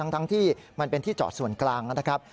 ทั้งที่มันเป็นที่จอดส่วนกลางนะครับ